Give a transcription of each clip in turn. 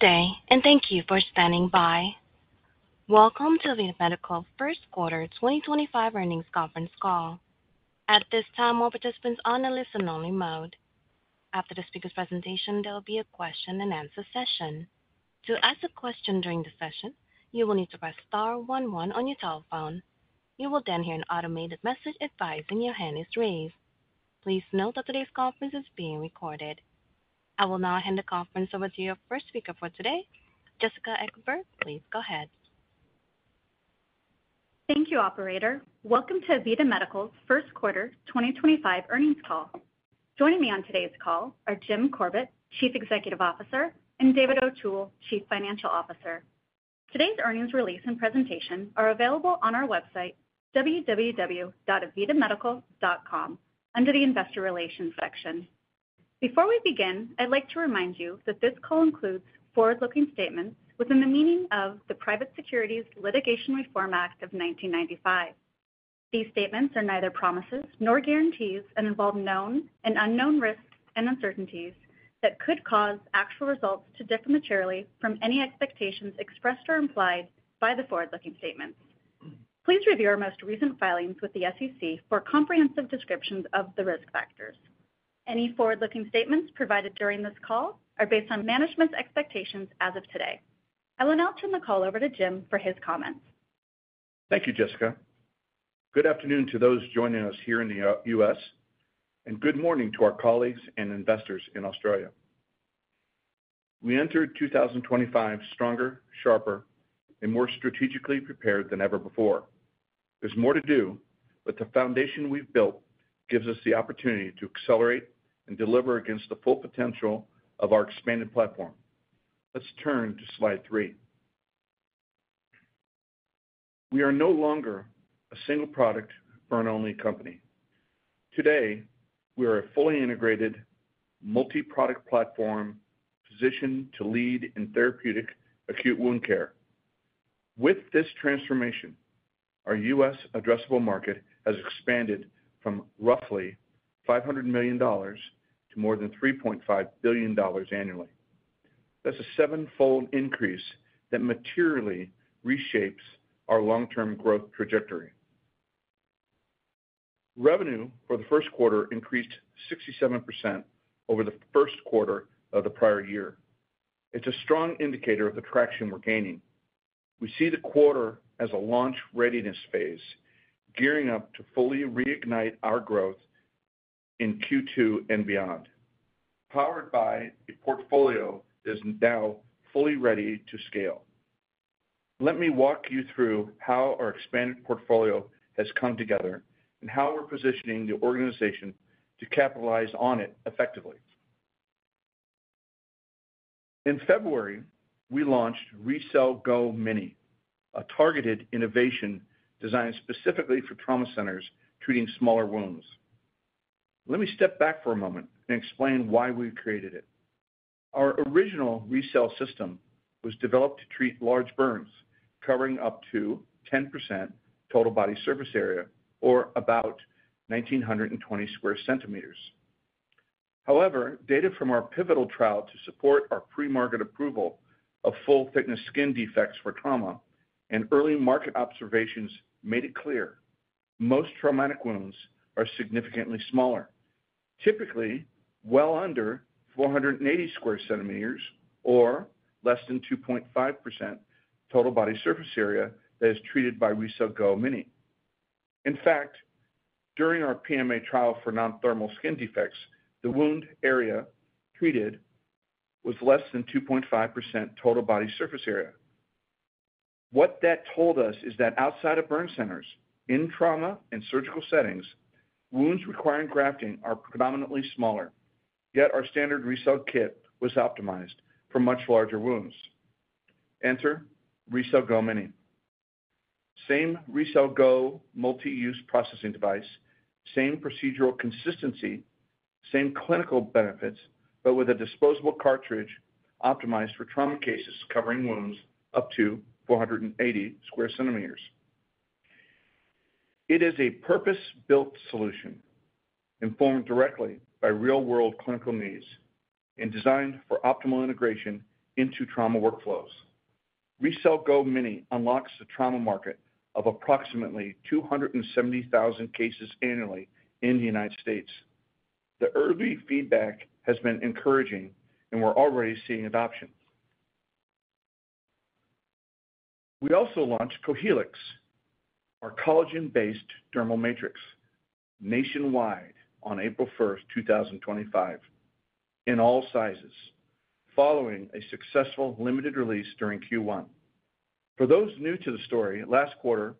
Today, and thank you for standing by. Welcome to the AVITA Medical First Quarter 2025 earnings conference call. At this time, all participants are on a listen-only mode. After the speaker's presentation, there will be a question-and-answer session. To ask a question during the session, you will need to press star one one on your telephone. You will then hear an automated message advising your hand is raised. Please note that today's conference is being recorded. I will now hand the conference over to your first speaker for today, Jessica Ekeberg. Please go ahead. Thank you, Operator. Welcome to AVITA Medical's First Quarter 2025 earnings call. Joining me on today's call are Jim Corbett, Chief Executive Officer, and David O'Toole, Chief Financial Officer. Today's earnings release and presentation are available on our website, www.avitamedical.com, under the Investor Relations section. Before we begin, I'd like to remind you that this call includes forward-looking statements within the meaning of the Private Securities Litigation Reform Act of 1995. These statements are neither promises nor guarantees and involve known and unknown risks and uncertainties that could cause actual results to differ materially from any expectations expressed or implied by the forward-looking statements. Please review our most recent filings with the SEC for comprehensive descriptions of the risk factors. Any forward-looking statements provided during this call are based on management's expectations as of today. I will now turn the call over to Jim for his comments. Thank you, Jessica. Good afternoon to those joining us here in the U.S., and good morning to our colleagues and investors in Australia. We enter 2025 stronger, sharper, and more strategically prepared than ever before. There's more to do, but the foundation we've built gives us the opportunity to accelerate and deliver against the full potential of our expanded platform. Let's turn to slide three. We are no longer a single product for an only company. Today, we are a fully integrated multi-product platform positioned to lead in therapeutic acute wound care. With this transformation, our U.S. addressable market has expanded from roughly $500 million to more than $3.5 billion annually. That's a seven-fold increase that materially reshapes our long-term growth trajectory. Revenue for the first quarter increased 67% over the first quarter of the prior year. It's a strong indicator of the traction we're gaining. We see the quarter as a launch readiness phase, gearing up to fully reignite our growth in Q2 and beyond, powered by a portfolio that is now fully ready to scale. Let me walk you through how our expanded portfolio has come together and how we're positioning the organization to capitalize on it effectively. In February, we launched RECELL GO mini, a targeted innovation designed specifically for trauma centers treating smaller wounds. Let me step back for a moment and explain why we created it. Our original RECELL system was developed to treat large burns covering up to 10% total body surface area, or about 1,920 sq cm. However, data from our pivotal trial to support our pre-market approval of full-thickness skin defects for trauma and early market observations made it clear most traumatic wounds are significantly smaller, typically well under 480 sq cm or less than 2.5% total body surface area that is treated by RECELL GO mini. In fact, during our PMA trial for non-thermal skin defects, the wound area treated was less than 2.5% total body surface area. What that told us is that outside of burn centers, in trauma and surgical settings, wounds requiring grafting are predominantly smaller, yet our standard RECELL kit was optimized for much larger wounds. Enter RECELL GO mini. Same RECELL Go multi-use processing device, same procedural consistency, same clinical benefits, but with a disposable cartridge optimized for trauma cases covering wounds up to 480 sq cm. It is a purpose-built solution informed directly by real-world clinical needs and designed for optimal integration into trauma workflows. RECELL GO mini unlocks the trauma market of approximately 270,000 cases annually in the United States. The early feedback has been encouraging, and we're already seeing adoption. We also launched Cohealyx, our collagen-based dermal matrix, nationwide on April 1st, 2025, in all sizes, following a successful limited release during Q1. For those new to the story, last quarter,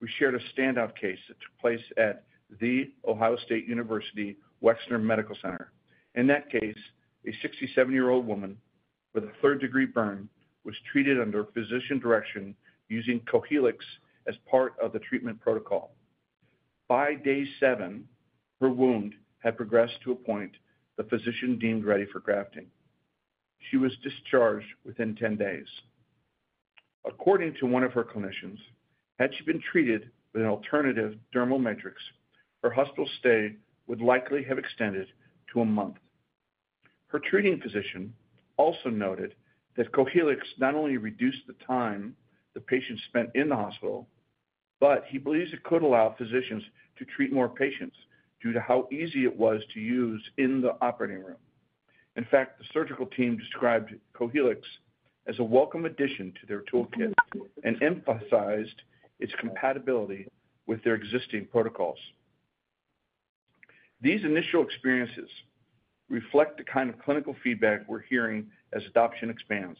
we shared a standout case that took place at the Ohio State University Wexner Medical Center. In that case, a 67-year-old woman with a third-degree burn was treated under physician direction using Cohealyx as part of the treatment protocol. By day seven, her wound had progressed to a point the physician deemed ready for grafting. She was discharged within 10 days. According to one of her clinicians, had she been treated with an alternative dermal matrix, her hospital stay would likely have extended to a month. Her treating physician also noted that Cohealyx not only reduced the time the patient spent in the hospital, but he believes it could allow physicians to treat more patients due to how easy it was to use in the operating room. In fact, the surgical team described Cohealyx as a welcome addition to their toolkit and emphasized its compatibility with their existing protocols. These initial experiences reflect the kind of clinical feedback we're hearing as adoption expands,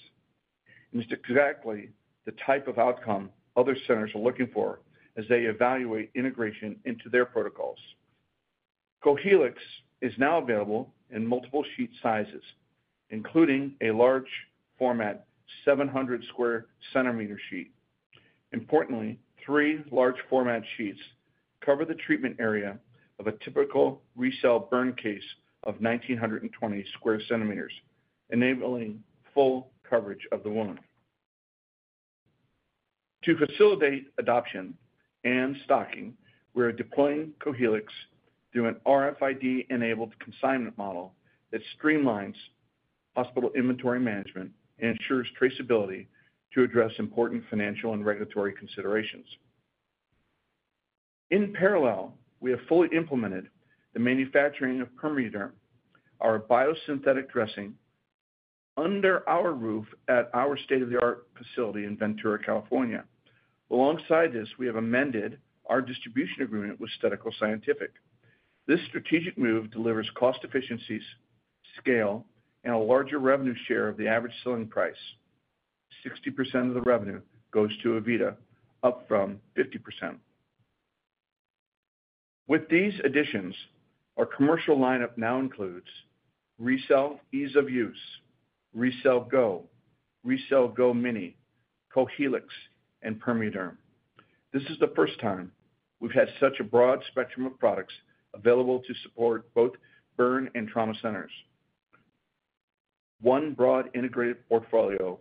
and it's exactly the type of outcome other centers are looking for as they evaluate integration into their protocols. Cohealyx is now available in multiple sheet sizes, including a large-format 700 sq cm sheet. Importantly, three large-format sheets cover the treatment area of a typical RECELL burn case of 1,920 sq cm, enabling full coverage of the wound. To facilitate adoption and stocking, we're deploying Cohealyx through an RFID-enabled consignment model that streamlines hospital inventory management and ensures traceability to address important financial and regulatory considerations. In parallel, we have fully implemented the manufacturing of PermeaDerm, our biosynthetic dressing, under our roof at our state-of-the-art facility in Ventura, California. Alongside this, we have amended our distribution agreement with Stedical Scientific. This strategic move delivers cost efficiencies, scale, and a larger revenue share of the average selling price. 60% of the revenue goes to AVITA, up from 50%. With these additions, our commercial lineup now includes RECELL Ease-of-Use, RECELL Go, RECELL GO mini, Cohealyx, and PermeaDerm. This is the first time we've had such a broad spectrum of products available to support both burn and trauma centers: one broad integrated portfolio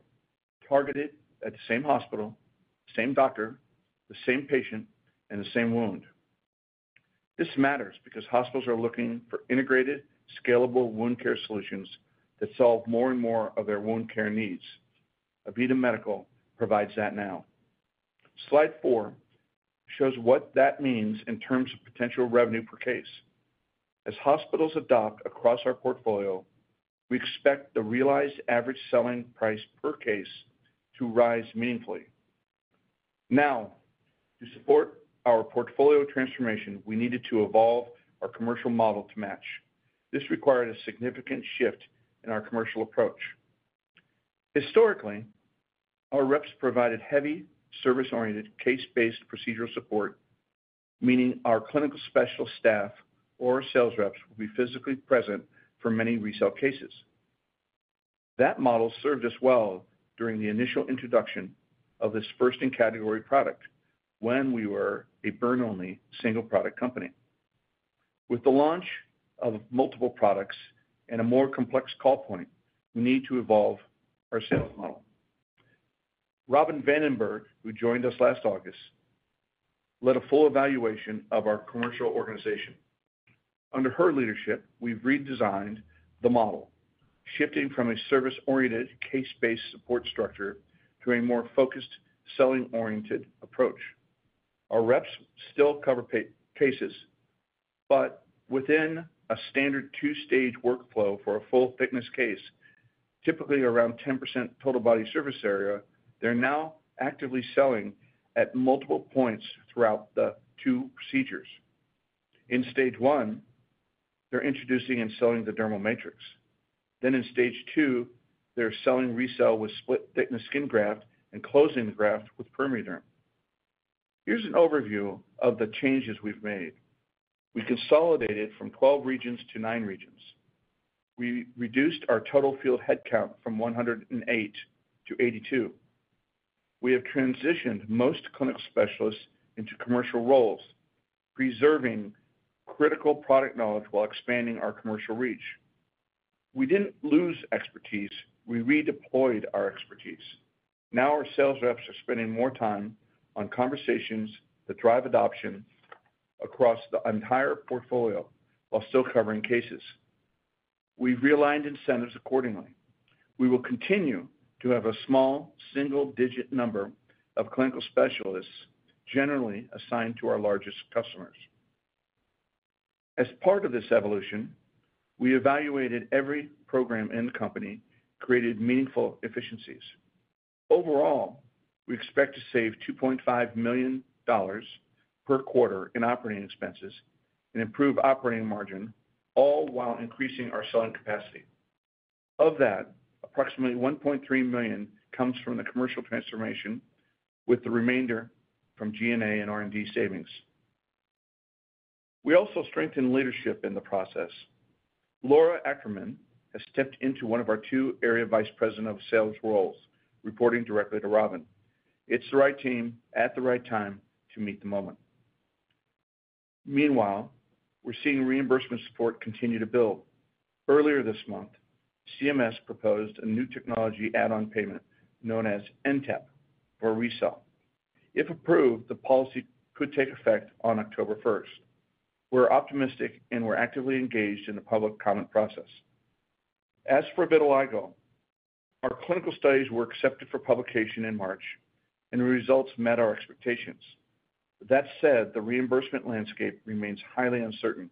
targeted at the same hospital, same doctor, the same patient, and the same wound. This matters because hospitals are looking for integrated, scalable wound care solutions that solve more and more of their wound care needs. AVITA Medical provides that now. Slide four shows what that means in terms of potential revenue per case. As hospitals adopt across our portfolio, we expect the realized average selling price per case to rise meaningfully. Now, to support our portfolio transformation, we needed to evolve our commercial model to match. This required a significant shift in our commercial approach. Historically, our reps provided heavy, service-oriented, case-based procedural support, meaning our clinical special staff or sales reps will be physically present for many RECELL cases. That model served us well during the initial introduction of this first-in-category product when we were a burn-only single-product company. With the launch of multiple products and a more complex call point, we need to evolve our sales model. Robin VanDenburgh, who joined us last August, led a full evaluation of our commercial organization. Under her leadership, we've redesigned the model, shifting from a service-oriented, case-based support structure to a more focused, selling-oriented approach. Our reps still cover cases, but within a standard two-stage workflow for a full-thickness case, typically around 10% total body surface area, they're now actively selling at multiple points throughout the two procedures. In stage one, they're introducing and selling the dermal matrix. Then in stage two, they're selling RECELL with split-thickness skin graft and closing the graft with PermeaDerm. Here's an overview of the changes we've made. We consolidated from 12 regions to 9 regions. We reduced our total field headcount from 108 to 82. We have transitioned most clinical specialists into commercial roles, preserving critical product knowledge while expanding our commercial reach. We didn't lose expertise. We redeployed our expertise. Now our sales reps are spending more time on conversations that drive adoption across the entire portfolio while still covering cases. We've realigned incentives accordingly. We will continue to have a small single-digit number of clinical specialists generally assigned to our largest customers. As part of this evolution, we evaluated every program in the company, created meaningful efficiencies. Overall, we expect to save $2.5 million per quarter in operating expenses and improve operating margin, all while increasing our selling capacity. Of that, approximately $1.3 million comes from the commercial transformation, with the remainder from G&A and R&D savings. We also strengthened leadership in the process. Laura Ackerman has stepped into one of our two Area Vice President of Sales roles, reporting directly to Robin. It's the right team at the right time to meet the moment. Meanwhile, we're seeing reimbursement support continue to build. Earlier this month, CMS proposed a new technology add-on payment known as NTAP for RECELL. If approved, the policy could take effect on October 1st. We're optimistic and we're actively engaged in the public comment process. As for vitiligo, our clinical studies were accepted for publication in March, and the results met our expectations. That said, the reimbursement landscape remains highly uncertain.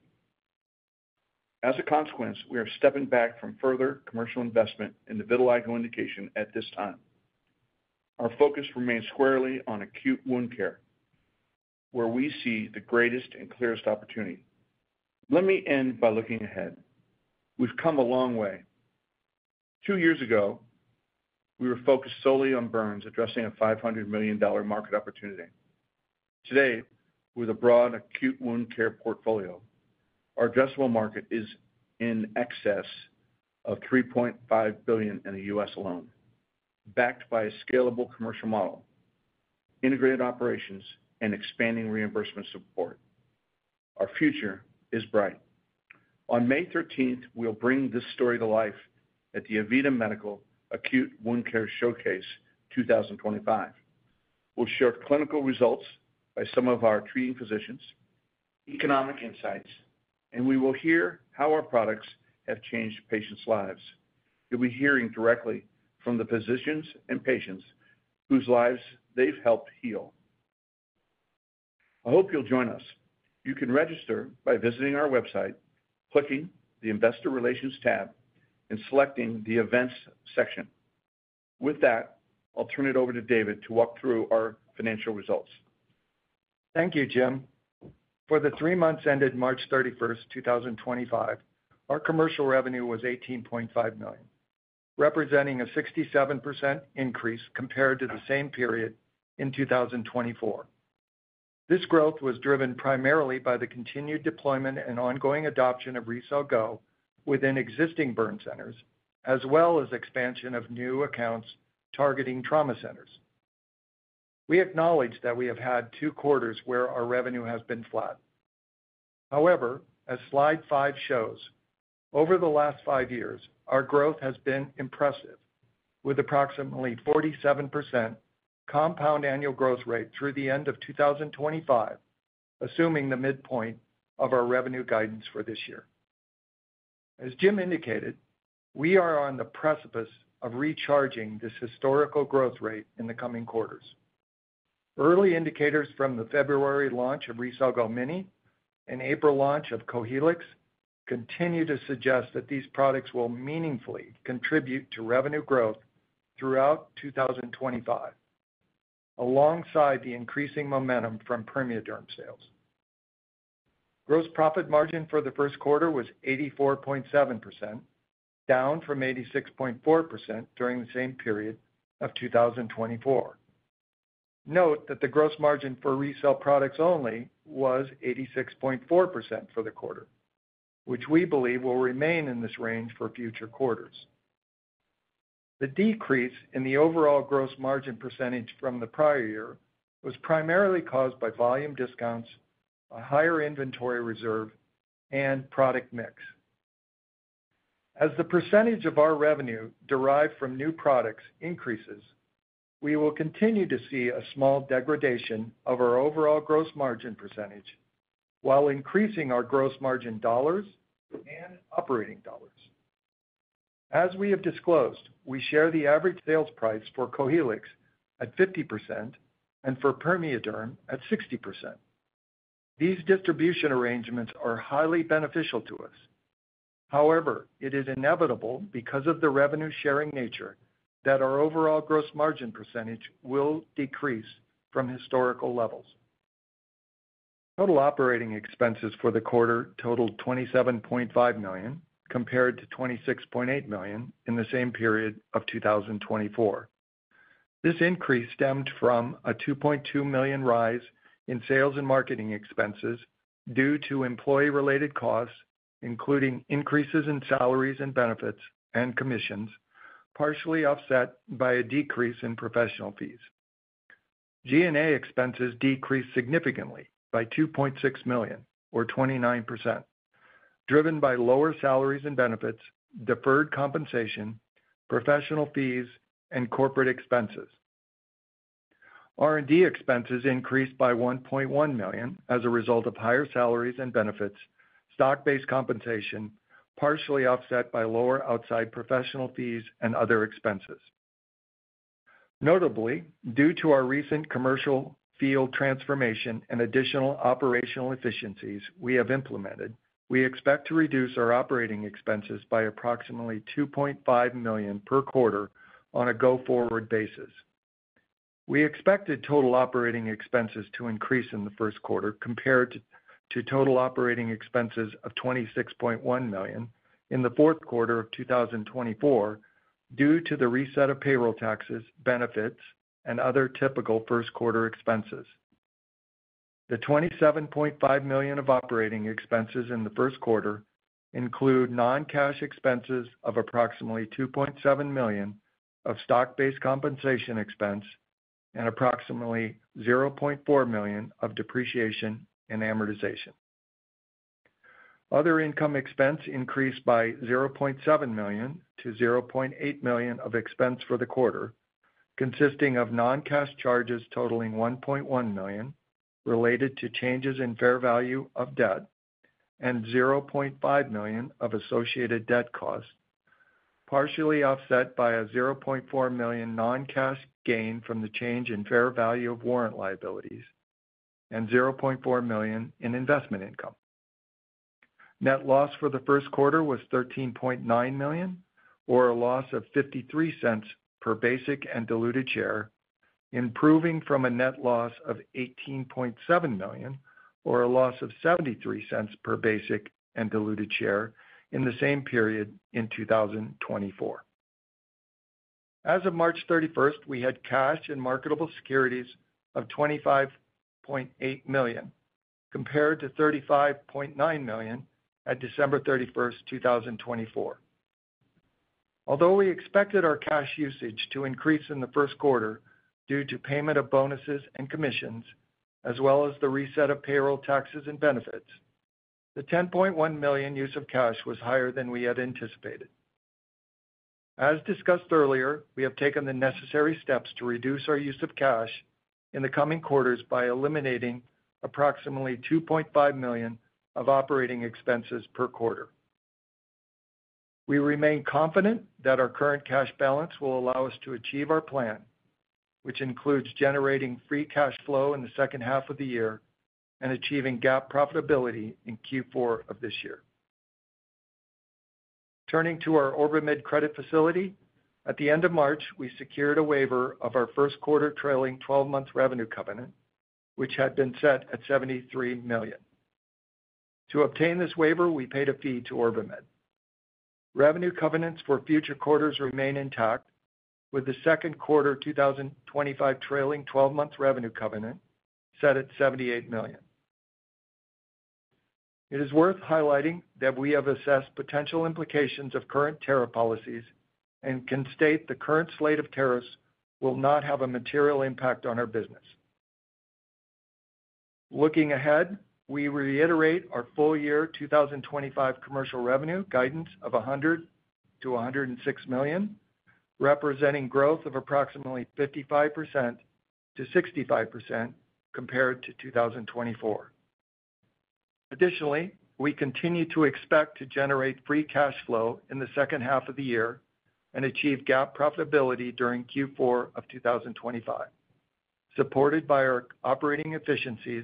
As a consequence, we are stepping back from further commercial investment in the vitiligo indication at this time. Our focus remains squarely on acute wound care, where we see the greatest and clearest opportunity. Let me end by looking ahead. We've come a long way. Two years ago, we were focused solely on burns, addressing a $500 million market opportunity. Today, with a broad acute wound care portfolio, our addressable market is in excess of $3.5 billion in the U.S. alone, backed by a scalable commercial model, integrated operations, and expanding reimbursement support. Our future is bright. On May 13th, we'll bring this story to life at the AVITA Medical Acute Wound Care Showcase 2025. We'll share clinical results by some of our treating physicians, economic insights, and we will hear how our products have changed patients' lives. You'll be hearing directly from the physicians and patients whose lives they've helped heal. I hope you'll join us. You can register by visiting our website, clicking the Investor Relations tab, and selecting the Events section. With that, I'll turn it over to David to walk through our financial results. Thank you, Jim. For the three months ended March 31st, 2025, our commercial revenue was $18.5 million, representing a 67% increase compared to the same period in 2024. This growth was driven primarily by the continued deployment and ongoing adoption of RECELL Go within existing burn centers, as well as expansion of new accounts targeting trauma centers. We acknowledge that we have had two quarters where our revenue has been flat. However, as slide five shows, over the last five years, our growth has been impressive, with approximately 47% compound annual growth rate through the end of 2025, assuming the midpoint of our revenue guidance for this year. As Jim indicated, we are on the precipice of recharging this historical growth rate in the coming quarters. Early indicators from the February launch of RECELL GO mini and April launch of Cohealyx continue to suggest that these products will meaningfully contribute to revenue growth throughout 2025, alongside the increasing momentum from PermeaDerm sales. Gross profit margin for the first quarter was 84.7%, down from 86.4% during the same period of 2024. Note that the gross margin for RECELL products only was 86.4% for the quarter, which we believe will remain in this range for future quarters. The decrease in the overall gross margin percentage from the prior year was primarily caused by volume discounts, a higher inventory reserve, and product mix. As the percentage of our revenue derived from new products increases, we will continue to see a small degradation of our overall gross margin percentage while increasing our gross margin dollars and operating dollars. As we have disclosed, we share the average sales price for Cohealyx at 50% and for PermeaDerm at 60%. These distribution arrangements are highly beneficial to us. However, it is inevitable because of the revenue-sharing nature that our overall gross margin percentage will decrease from historical levels. Total operating expenses for the quarter totaled $27.5 million compared to $26.8 million in the same period of 2024. This increase stemmed from a $2.2 million rise in sales and marketing expenses due to employee-related costs, including increases in salaries and benefits and commissions, partially offset by a decrease in professional fees. G&A expenses decreased significantly by $2.6 million, or 29%, driven by lower salaries and benefits, deferred compensation, professional fees, and corporate expenses. R&D expenses increased by $1.1 million as a result of higher salaries and benefits, stock-based compensation partially offset by lower outside professional fees and other expenses. Notably, due to our recent commercial field transformation and additional operational efficiencies we have implemented, we expect to reduce our operating expenses by approximately $2.5 million per quarter on a go-forward basis. We expected total operating expenses to increase in the first quarter compared to total operating expenses of $26.1 million in the fourth quarter of 2024 due to the reset of payroll taxes, benefits, and other typical first-quarter expenses. The $27.5 million of operating expenses in the first quarter include non-cash expenses of approximately $2.7 million of stock-based compensation expense and approximately $0.4 million of depreciation and amortization. Other income expense increased by $0.7 million to $0.8 million of expense for the quarter, consisting of non-cash charges totaling $1.1 million related to changes in fair value of debt and $0.5 million of associated debt costs, partially offset by a $0.4 million non-cash gain from the change in fair value of warrant liabilities and $0.4 million in investment income. Net loss for the first quarter was $13.9 million, or a loss of $0.53 per basic and diluted share, improving from a net loss of $18.7 million, or a loss of $0.73 per basic and diluted share in the same period in 2024. As of March 31st, we had cash and marketable securities of $25.8 million compared to $35.9 million at December 31st, 2024. Although we expected our cash usage to increase in the first quarter due to payment of bonuses and commissions, as well as the reset of payroll taxes and benefits, the $10.1 million use of cash was higher than we had anticipated. As discussed earlier, we have taken the necessary steps to reduce our use of cash in the coming quarters by eliminating approximately $2.5 million of operating expenses per quarter. We remain confident that our current cash balance will allow us to achieve our plan, which includes generating free cash flow in the second half of the year and achieving GAAP profitability in Q4 of this year. Turning to our OrbiMed credit facility, at the end of March, we secured a waiver of our first quarter trailing 12-month revenue covenant, which had been set at $73 million. To obtain this waiver, we paid a fee to OrbiMed. Revenue covenants for future quarters remain intact, with the second quarter 2025 trailing 12-month revenue covenant set at $78 million. It is worth highlighting that we have assessed potential implications of current tariff policies and can state the current slate of tariffs will not have a material impact on our business. Looking ahead, we reiterate our full year 2025 commercial revenue guidance of $100-$106 million, representing growth of approximately 55%-65% compared to 2024. Additionally, we continue to expect to generate free cash flow in the second half of the year and achieve GAAP profitability during Q4 of 2025, supported by our operating efficiencies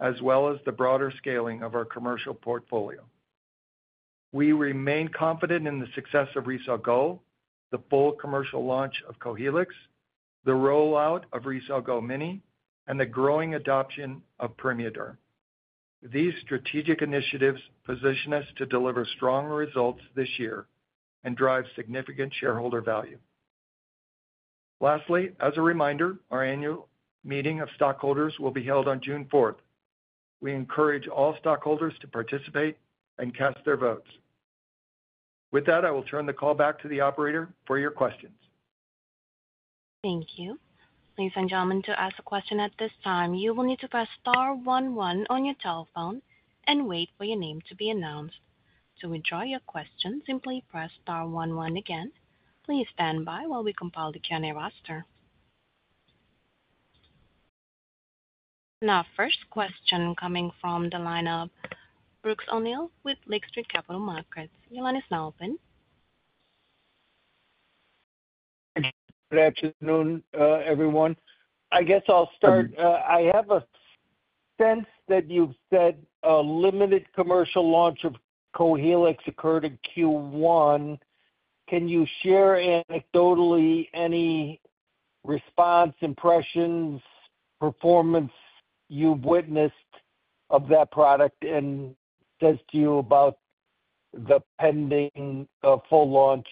as well as the broader scaling of our commercial portfolio. We remain confident in the success of RECELL GO, the full commercial launch of Cohealyx, the rollout of RECELL GO mini, and the growing adoption of PermeaDerm. These strategic initiatives position us to deliver stronger results this year and drive significant shareholder value. Lastly, as a reminder, our annual meeting of stockholders will be held on June 4th. We encourage all stockholders to participate and cast their votes. With that, I will turn the call back to the operator for your questions. Thank you. Please enter to ask a question at this time. You will need to press star one one on your telephone and wait for your name to be announced. To withdraw your question, simply press star one one again. Please stand by while we compile the Q&A roster. Now, first question coming from the line of Brooks O'Neil with Lake Street Capital Markets. Your line is now open. Good afternoon, everyone. I guess I'll start. I have a sense that you've said a limited commercial launch of Cohealyx occurred in Q1. Can you share anecdotally any response, impressions, performance you've witnessed of that product and says to you about the pending full launch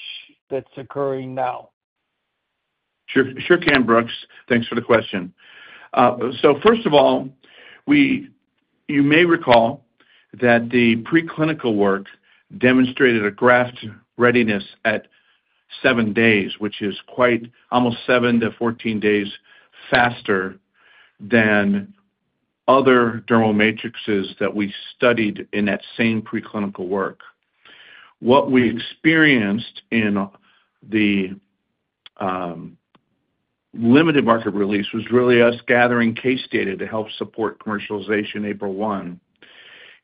that's occurring now? Sure can, Brooks. Thanks for the question. First of all, you may recall that the preclinical work demonstrated a graft readiness at seven days, which is quite almost 7 days-14 days faster than other dermal matrices that we studied in that same preclinical work. What we experienced in the limited market release was really us gathering case data to help support commercialization April 1,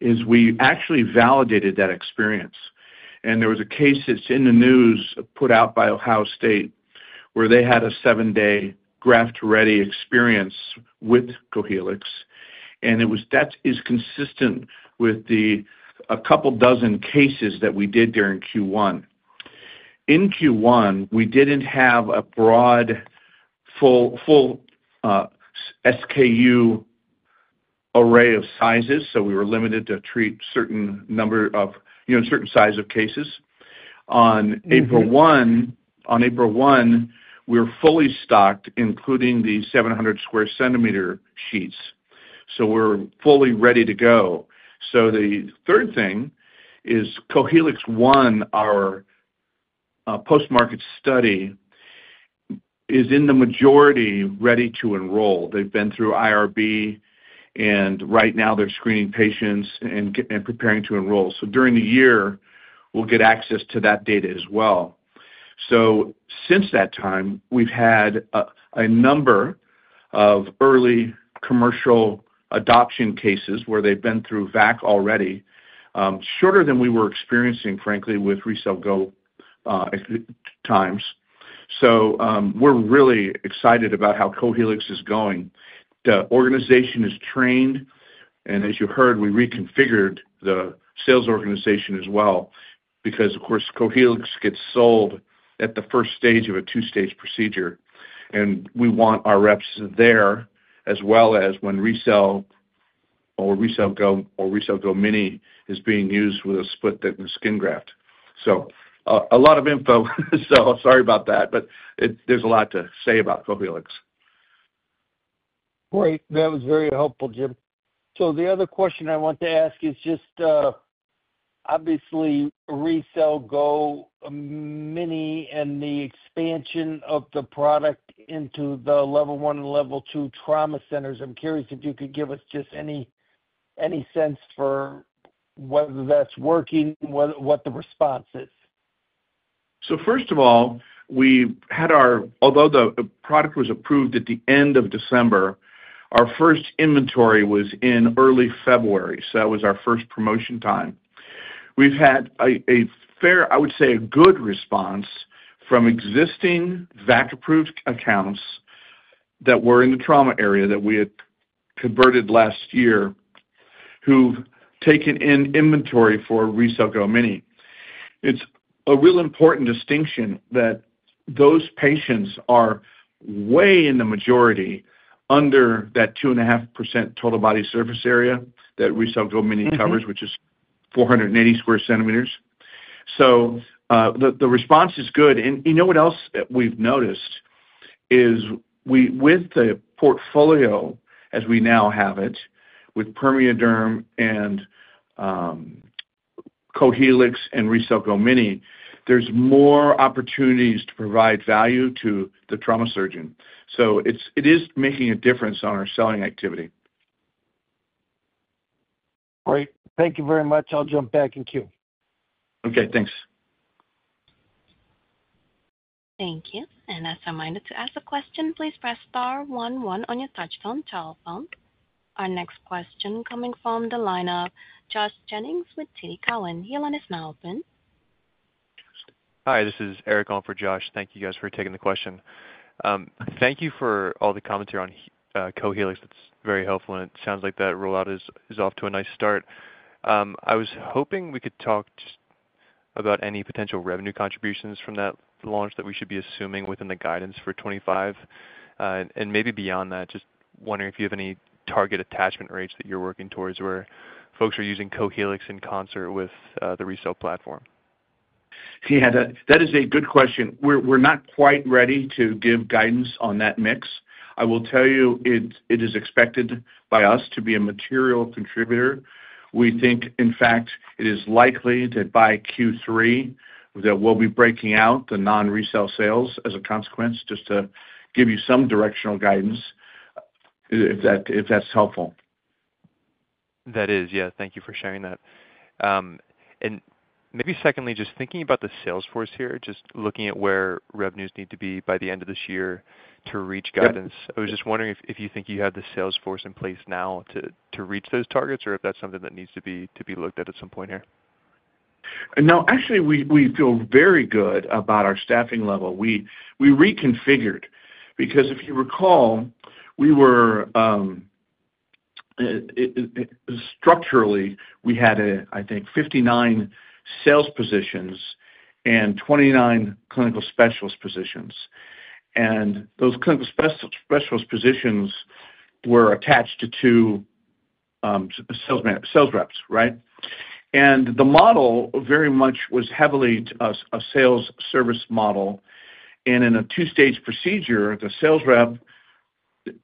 as we actually validated that experience. There was a case that's in the news put out by Ohio State where they had a seven-day graft-ready experience with Cohealyx. That is consistent with the a couple dozen cases that we did during Q1. In Q1, we didn't have a broad full SKU array of sizes, so we were limited to treat certain number of certain size of cases. On April 1, we were fully stocked, including the 700 sq cm sheets. So we're fully ready to go. The third thing is Cohealyx 1, our post-market study, is in the majority ready to enroll. They've been through IRB, and right now they're screening patients and preparing to enroll. During the year, we'll get access to that data as well. Since that time, we've had a number of early commercial adoption cases where they've been through VAC already, shorter than we were experiencing, frankly, with RECELL Go times. We're really excited about how Cohealyx is going. The organization is trained, and as you heard, we reconfigured the sales organization as well because, of course, Cohealyx gets sold at the first stage of a two-stage procedure. We want our reps there as well as when RECELL GO or RECELL GO mini is being used with a split-thickness skin graft. A lot of info, so sorry about that, but there is a lot to say about Cohealyx. Great. That was very helpful, Jim. The other question I want to ask is just, obviously, RECELL GO mini and the expansion of the product into the level one and level two trauma centers. I'm curious if you could give us just any sense for whether that's working, what the response is. First of all, we had our, although the product was approved at the end of December, our first inventory was in early February. That was our first promotion time. We've had a fair, I would say, a good response from existing VAC-approved accounts that were in the trauma area that we had converted last year who've taken in inventory for RECELL GO mini. It's a real important distinction that those patients are way in the majority under that 2.5% total body surface area that RECELL GO mini covers, which is 480 sq cm. The response is good. You know what else we've noticed is with the portfolio as we now have it with PermeaDerm and Cohealyx and RECELL GO mini, there's more opportunities to provide value to the trauma surgeon. It is making a difference on our selling activity. Great. Thank you very much. I'll jump back in queue. Okay. Thanks. Thank you. As reminded to ask a question, please press star one one on your touch phone telephone. Our next question coming from the line of Josh Jennings with TD Cowen, your line is now open. Hi, this is Eric Ho for Josh. Thank you guys for taking the question. Thank you for all the commentary on Cohealyx. That's very helpful. It sounds like that rollout is off to a nice start. I was hoping we could talk just about any potential revenue contributions from that launch that we should be assuming within the guidance for 2025 and maybe beyond that. Just wondering if you have any target attachment rates that you're working towards where folks are using Cohealyx in concert with the RECELL platform. That is a good question. We're not quite ready to give guidance on that mix. I will tell you it is expected by us to be a material contributor. We think, in fact, it is likely that by Q3 that we'll be breaking out the non-RECELL sales as a consequence, just to give you some directional guidance if that's helpful. That is. Yeah. Thank you for sharing that. Maybe secondly, just thinking about the sales force here, just looking at where revenues need to be by the end of this year to reach guidance. I was just wondering if you think you have the sales force in place now to reach those targets or if that's something that needs to be looked at at some point here. No, actually, we feel very good about our staffing level. We reconfigured because if you recall, we were structurally, we had, I think, 59 sales positions and 29 clinical specialist positions. Those clinical specialist positions were attached to sales reps, right? The model very much was heavily a sales service model. In a two-stage procedure, the sales rep,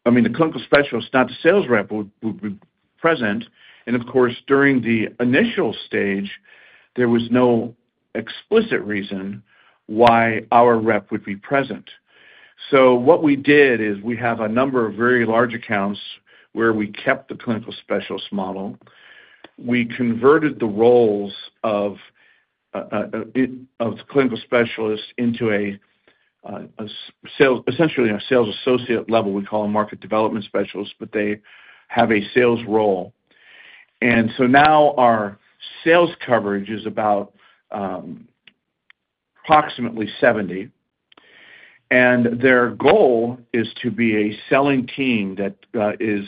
I mean, the clinical specialist, not the sales rep, would be present. Of course, during the initial stage, there was no explicit reason why our rep would be present. What we did is we have a number of very large accounts where we kept the clinical specialist model. We converted the roles of clinical specialists into essentially a sales associate level. We call them market development specialists, but they have a sales role. Now our sales coverage is about approximately 70. Their goal is to be a selling team that is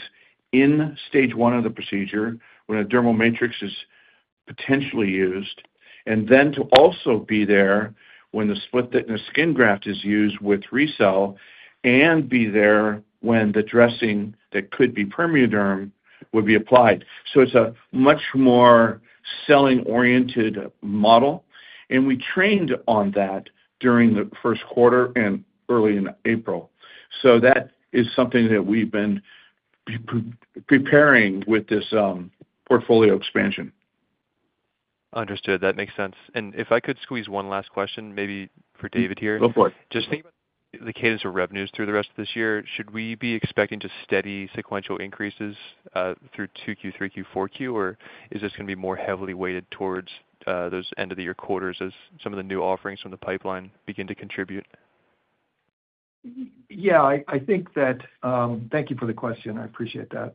in stage one of the procedure when a dermal matrix is potentially used, and then to also be there when the split-thickness skin graft is used with RECELL and be there when the dressing that could be PermeaDerm would be applied. It is a much more selling-oriented model. We trained on that during the first quarter and early in April. That is something that we have been preparing with this portfolio expansion. Understood. That makes sense. If I could squeeze one last question, maybe for David here. Go for it. Just thinking about the cadence of revenues through the rest of this year, should we be expecting just steady sequential increases through Q2, Q3, Q4, or is this going to be more heavily weighted towards those end-of-the-year quarters as some of the new offerings from the pipeline begin to contribute? Yeah. I think that thank you for the question. I appreciate that.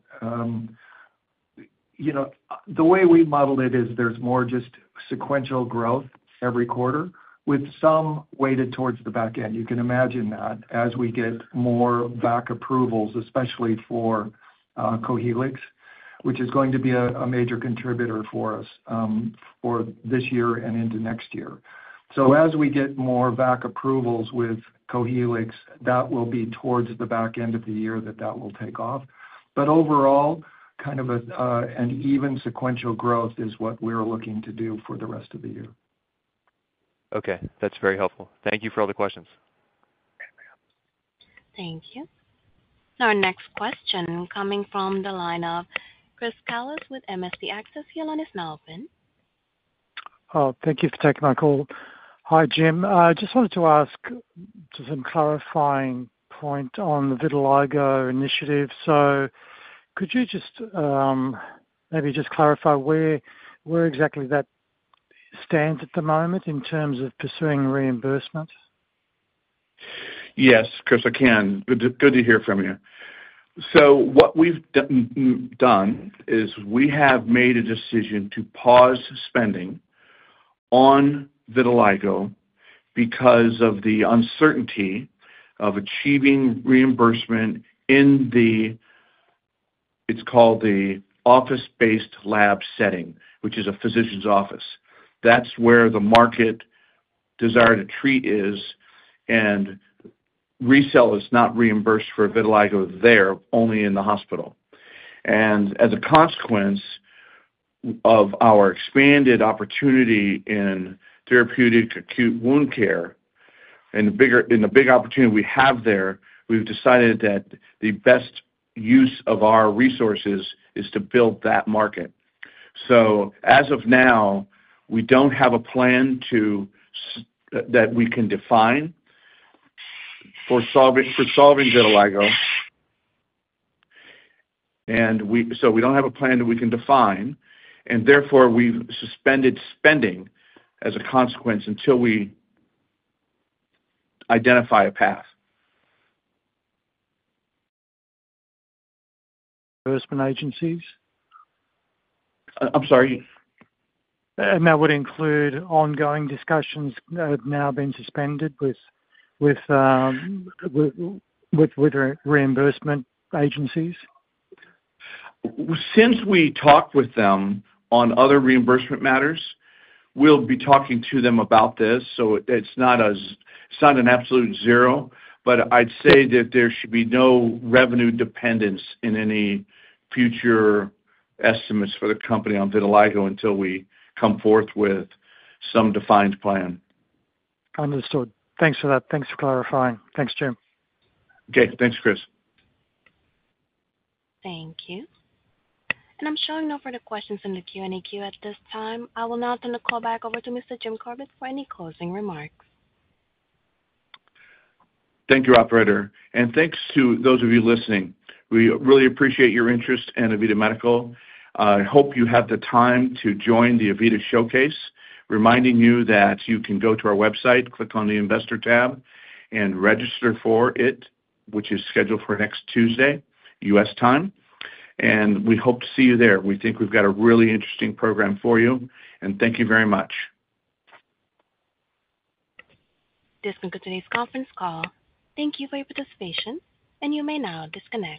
The way we model it is there's more just sequential growth every quarter with some weighted towards the back end. You can imagine that as we get more VAC approvals, especially for Cohealyx, which is going to be a major contributor for us for this year and into next year. As we get more VAC approvals with Cohealyx, that will be towards the back end of the year that that will take off. But overall, kind of an even sequential growth is what we're looking to do for the rest of the year. Okay. That's very helpful. Thank you for all the questions. Thank you. Our next question coming from the line of Chris Kallos with MST Access, your line is now open. Thank you for taking my call. Hi, Jim. I just wanted to ask just some clarifying points on the vitiligo initiative. So could you just maybe just clarify where exactly that stands at the moment in terms of pursuing reimbursement? Yes, Chris, I can. Good to hear from you. So what we've done is we have made a decision to pause spending on vitiligo because of the uncertainty of achieving reimbursement in the it's called the office-based lab setting, which is a physician's office. That's where the market desire to treat is, and RECELL is not reimbursed for vitiligo there, only in the hospital. As a consequence of our expanded opportunity in therapeutic acute wound care and the big opportunity we have there, we've decided that the best use of our resources is to build that market. As of now, we don't have a plan that we can define for solving vitiligo. We don't have a plan that we can define, and therefore, we've suspended spending as a consequence until we identify a path. Reimbursement agencies? I'm sorry. That would include ongoing discussions that have now been suspended with reimbursement agencies. Since we talked with them on other reimbursement matters, we'll be talking to them about this. It is not an absolute zero, but I'd say that there should be no revenue dependence in any future estimates for the company on vitiligo until we come forth with some defined plan. Understood. Thanks for that. Thanks for clarifying. Thanks, Jim. Okay. Thanks, Chris. Thank you. I am showing no further questions in the Q&A queue at this time. I will now turn the call back over to Mr. Jim Corbett for any closing remarks. Thank you, Operator. Thanks to those of you listening. We really appreciate your interest in AVITA Medical. I hope you have the time to join the AVITA Showcase, reminding you that you can go to our website, click on the Investor tab, and register for it, which is scheduled for next Tuesday, U.S. time. We hope to see you there. We think we have a really interesting program for you. Thank you very much. This concludes today's conference call. Thank you for your participation, and you may now disconnect.